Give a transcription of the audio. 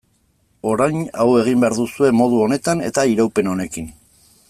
Orain hau egin behar duzue, modu honetan eta iraupen honekin.